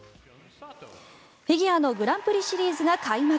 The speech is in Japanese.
フィギュアのグランプリシリーズが開幕。